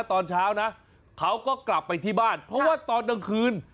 ตอนเช้านะเขาก็กลับไปที่บ้านเพราะว่าตอนกลางคืน